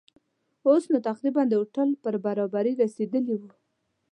اوس نو تقریباً د هوټل پر برابري رسېدلي وو.